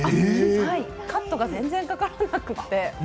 カットが全然かからなくて。